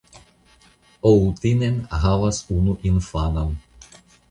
Outinen havas unu infanon.